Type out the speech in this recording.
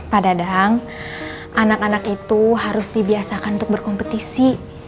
pak dadang anak anak itu harus dibiasakan untuk berkompetisi